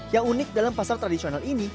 yang unik dalam pasar tradisional ini